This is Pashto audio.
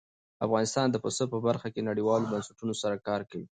افغانستان د پسه په برخه کې نړیوالو بنسټونو سره کار کوي.